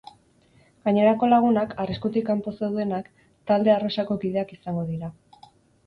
Gainerako lagunak, arriskutik kanpo zeudenak, talde arrosako kideak izango dira.